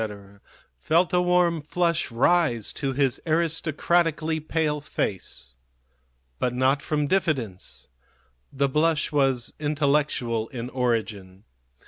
felt a warm flush rise to his aristocratically pale face. But not from diffidence. The blush was intellectual in origin.